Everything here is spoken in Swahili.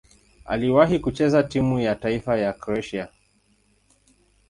Aliwahi kucheza timu ya taifa ya Kroatia.